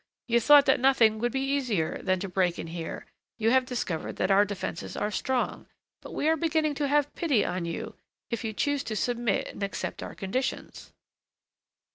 You thought that nothing could be easier than to break in here, and you have discovered that our defences are strong. But we are beginning to have pity on you, if you choose to submit and accept our conditions."